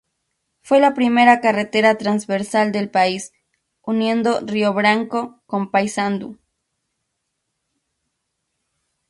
Fue la primera carretera transversal del país, uniendo Río Branco con Paysandú.